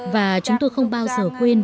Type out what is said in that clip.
và chúng tôi không bao giờ quên